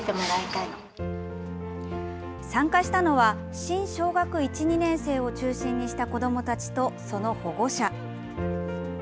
参加したのは新小学１、２年生を中心にした子どもたちとその保護者。